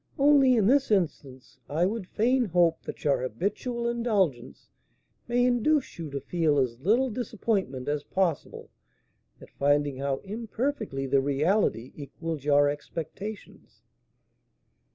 Only in this instance I would fain hope that your habitual indulgence may induce you to feel as little disappointment as possible at finding how imperfectly the reality equals your expectations."